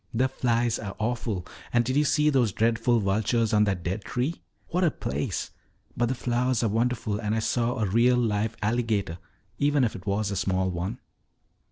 The flies are awful. And did you see those dreadful vultures on that dead tree? What a place! But the flowers are wonderful and I saw a real live alligator, even if it was a small one."